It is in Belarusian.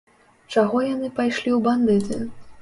Чаго яны пайшлі ў бандыты?